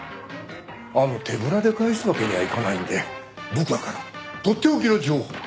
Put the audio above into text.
手ぶらで帰すわけにはいかないんで僕らからとっておきの情報。